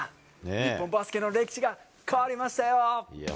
日本バスケの歴史が変わりましたよ。